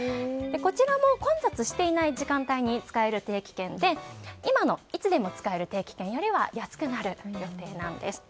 こちらも混雑していない時間帯に使える定期券で今のいつでも使える定期券よりは安くなる予定なんです。